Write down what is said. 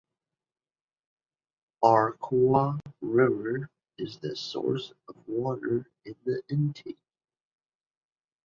Arakawa River is the source of water in the intake.